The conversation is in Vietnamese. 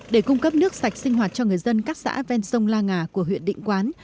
để cung cấp nước sạch sinh hoạt cho người dân các xã ven sông la ngà của huyện định quán